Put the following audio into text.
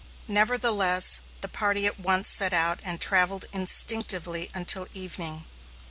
Nevertheless, the party at once set out and travelled instinctively until evening.